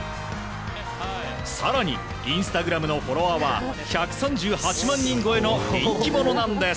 更にインスタグラムのフォロワーは１３８万人超えの人気者なんです。